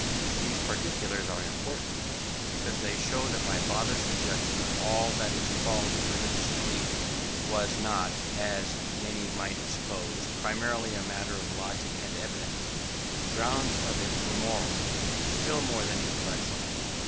These particulars are important, because they show that my father's rejection of all that is called religious belief, was not, as many might suppose, primarily a matter of logic and evidence: the grounds of it were moral, still more than intellectual.